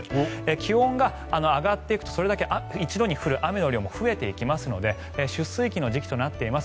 気温が上がっていくとそれだけ一度に降る雨の量も増えていきますので出水期の時期となっております